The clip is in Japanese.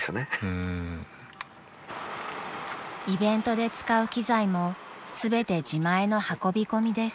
［イベントで使う機材も全て自前の運び込みです］